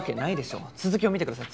続きを見てください続きを。